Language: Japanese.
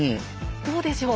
どうでしょう？